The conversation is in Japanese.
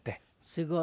すごい！